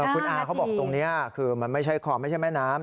คุณอาเขาบอกตรงนี้คือมันไม่ใช่คลองไม่ใช่แม่น้ำ